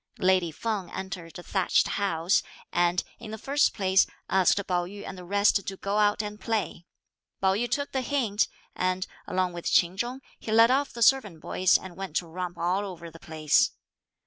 Lady Feng entered a thatched house, and, in the first place, asked Pao yü and the rest to go out and play. Pao yü took the hint, and, along with Ch'in Chung, he led off the servant boys and went to romp all over the place.